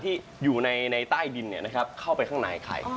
ที่อยู่ในใต้ดินเนี่ยนะครับเข้าไปข้างในไข่